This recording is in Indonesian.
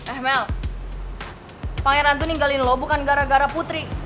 eh mel pangeran tuh ninggalin lo bukan gara gara putri